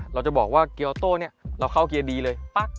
เราจะบอกว่าเกียวโต้เนี่ยเราเข้าเกียร์ดีเลย